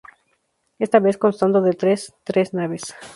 Esta vez, constando de de tres naves.